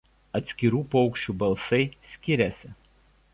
Atskirų paukščių balsai skiriasi.